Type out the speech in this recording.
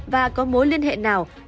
và có mối liên hệ nào